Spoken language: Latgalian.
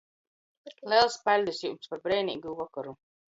Lels paļdis jums par breineigū vokoru!